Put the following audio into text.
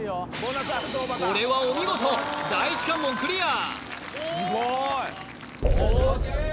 これはお見事第一関門クリア・ＯＫ